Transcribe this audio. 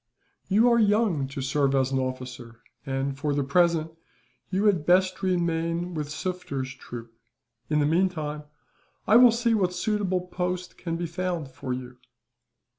"You are young to serve as an officer and, for the present, you had best remain with Sufder's troop. In the meantime, I will see what suitable post can be found for you."